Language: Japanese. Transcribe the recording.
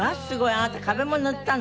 あなた壁も塗ったの？